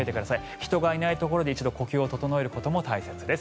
人がいないところで一度呼吸を整えることも大切です。